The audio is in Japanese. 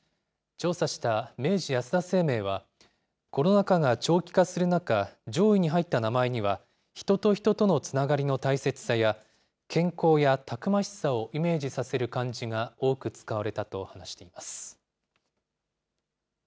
調査した明治安田生命は、コロナ禍が長期化する中、上位に入った名前には、人と人とのつながりの大切さや、健康やたくましさをイメージさせる漢字が多く使われたと話しています。